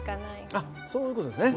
あっそういう事ですね。